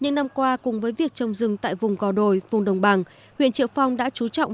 những năm qua cùng với việc trồng rừng tại vùng gò đồi vùng đồng bằng huyện triệu phong đã chú trọng